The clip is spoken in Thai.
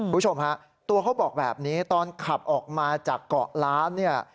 คุณผู้ชมฮะตัวเขาบอกแบบนี้ตอนขับออกมาจากเกาะล้านเนี่ย